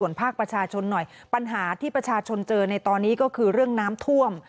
ภาคประชาชนหน่อยปัญหาที่ประชาชนเจอในตอนนี้ก็คือเรื่องน้ำท่วม